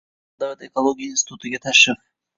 Xalqaro davlat ekologiya institutiga tashrif